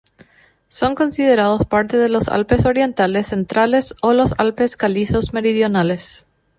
Son considerados parte de los Alpes Orientales centrales o los Alpes Calizos Meridionales.